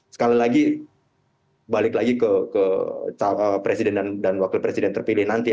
sekali lagi balik lagi ke presiden dan wakil presiden terpilih nanti